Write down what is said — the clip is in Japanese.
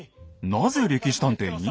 なぜ「歴史探偵」に？